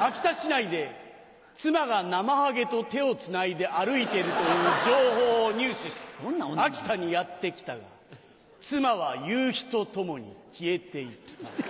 秋田市内で妻がなまはげと手をつないで歩いているという情報を入手し秋田にやって来たが妻は夕日と共に消えていった。